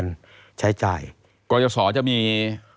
ตั้งแต่ปี๒๕๓๙๒๕๔๘